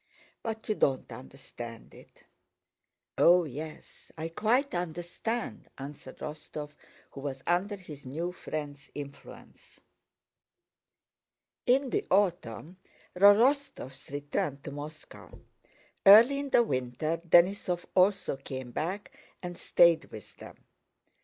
But you don't understand it." "Oh, yes, I quite understand," answered Rostóv, who was under his new friend's influence. In the autumn the Rostóvs returned to Moscow. Early in the winter Denísov also came back and stayed with them.